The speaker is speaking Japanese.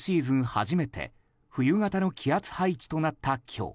初めて冬型の気圧配置となった今日。